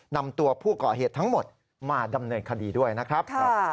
นำตัวผู้ก่อเหตุทั้งหมดมาดำเนินคดีด้วยนะครับ